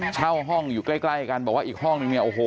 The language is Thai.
เช่าห้องอยู่ใกล้กันบอกว่าอีกห้องมี๖๔